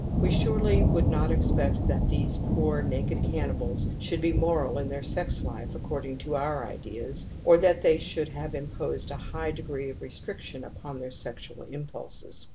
•' We surely would not expect that these poor J naked cannibals should be moral in their sex f life according to our ideas, or that they should have imposed a high degree of restriction upon their sexual impulses.